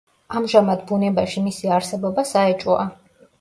ამჟამად ბუნებაში მისი არსებობა საეჭვოა.